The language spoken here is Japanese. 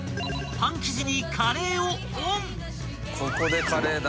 ［パン生地にカレーをオン！］